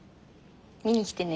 見に来てね。